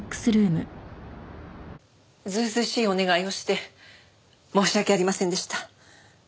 ずうずうしいお願いをして申し訳ありませんでした。